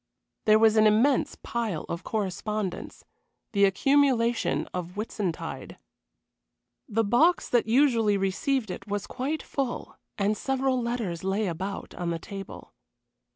There was an immense pile of correspondence the accumulation of Whitsuntide. The box that usually received it was quite full, and several letters lay about on the table.